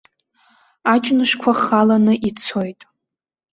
Аҷнышқәа халаны ицоит.